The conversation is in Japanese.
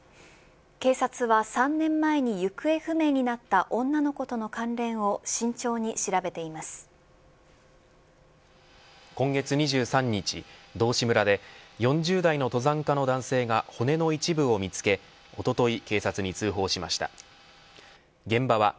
警察は３年前に行方不明になった女の子との関連を今月２３日道志村で４０代の登山家の男性が骨の一部を見つけおととい